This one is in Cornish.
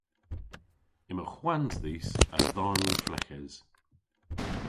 Yma hwans dhis a dharn fleghes.